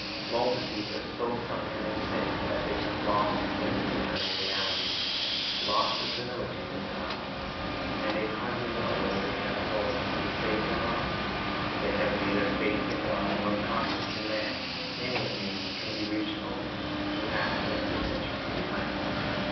Multitudes are so sunken m sm that they have lost the sense of eternal realities, lost the similitude of God and they hardly know whether they have souls to be saved or not. They have neither faith in God nor confidence in man. Many of these can be reached only through acts of disinterested kindness.